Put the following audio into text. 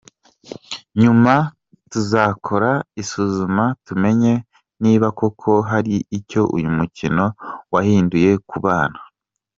Nyuma tuzakora isuzuma tumenye niba koko hari icyo uyu mukino wahinduye ku bana.